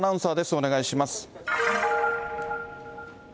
お願いします。